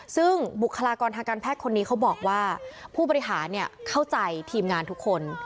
ซึ่งบุคลากรทางการแพทย์คนนี้เขาบอกว่าผู้บริหารเข้าใจทีมงานทุกคน